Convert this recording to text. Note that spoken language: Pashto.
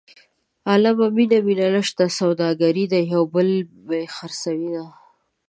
عالمه مینه مینه نشته سوداګري ده یو پر بل یې خرڅوینه.